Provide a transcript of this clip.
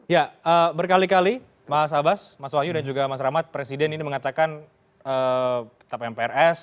ya berkali kali mas abbas mas wahyu dan juga mas rahmat presiden ini mengatakan tetap mprs